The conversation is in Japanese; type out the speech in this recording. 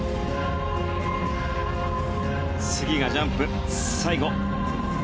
次がジャンプ、最後。